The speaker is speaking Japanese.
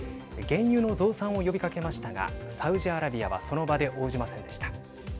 原油の増産を呼びかけましたがサウジアラビアはその場で応じませんでした。